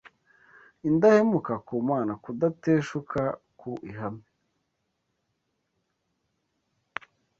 indahemuka ku Mana, kudateshuka ku ihame